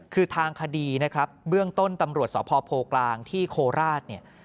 คือทางคดีนะครับเบื้องต้นตำรวจสพโพกลางที่โคราชเนี่ย